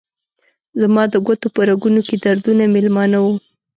زما د ګوتو په رګونو کې دردونه میلمانه وه